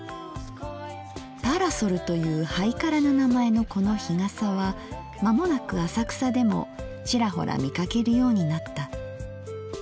パラソルというハイカラな名前のこの日傘は間もなく浅草でもチラホラ見かけるようになった。